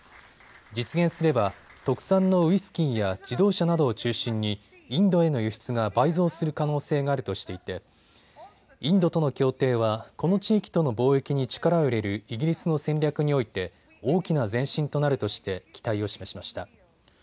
実現すれば特産のウイスキーや自動車などを中心にインドへの輸出が倍増する可能性があるとしていてインドとの協定はこの地域との貿易に力を入れるイギリスの戦略において大きな前進となるとして期待を示しました。